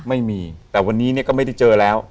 ไม่มีแต่วันนี้เนี่ยก็ไม่ได้เจอแล้ว